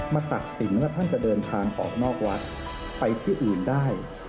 ตัดสินแล้วท่านจะเดินทางออกนอกวัดไปที่อื่นได้